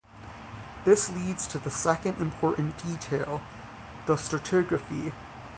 This leads to the second important detail, the stratigraphy.